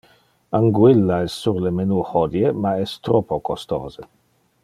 Anguilla es sur le menu hodie, ma es troppo costose.